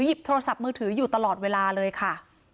หยิบโทรศัพท์มือถืออยู่ตลอดเวลาเลยค่ะ